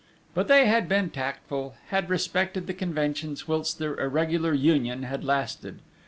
But they had been tactful, had respected the conventions whilst their irregular union had lasted.